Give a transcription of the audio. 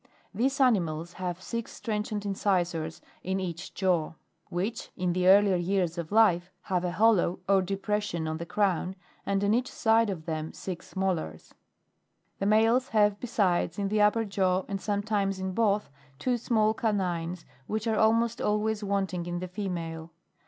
14. These animals have six trenchant incisors in each jaw, which, in the earlier years of life, have a hollow or depres sion on the crown, and on each side of them six molars. The males have besides in the upper jaw, and sometimes in both, two small canines which are almost always wanting in the female.